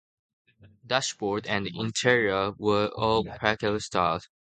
Dashboard and interior were all Packard styled.